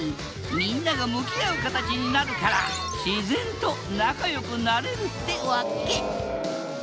みんなが向き合う形になるから自然と仲良くなれるってわけ。